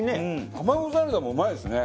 タマゴサラダもうまいですね。